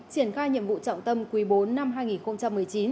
triển khai nhiệm vụ trọng tâm quý bốn năm hai nghìn một mươi chín